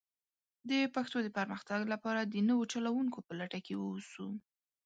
د پښتو د پرمختګ لپاره د نوو چلوونکو په لټه کې ووسو.